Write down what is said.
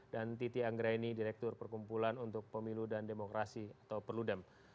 titi anggraini direktur perkumpulan untuk pemilu dan demokrasi atau perludem